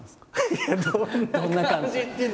いやどんな感じって。